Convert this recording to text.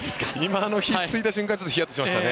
ひっついた瞬間、ひやっとしました